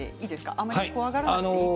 そこまで怖がらなくてもいい。